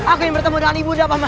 aku ingin bertemu rani buddha paman